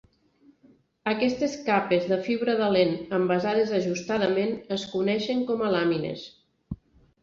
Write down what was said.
Aquestes capes de fibra de lent envasades ajustadament es coneixen com a làmines.